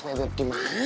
bebek gimana ya